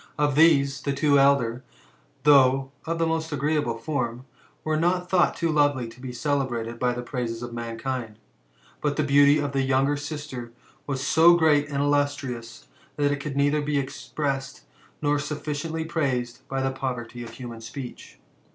Of these, the two eldei; though of the most agreeable form, were not thought too lovely to be celebrated by the praises of mankind ; but the beauty of the younger sister was so great and illustrious, that it coiild neither be expressed, nor sufficiently praised by the poverty of human q>eech.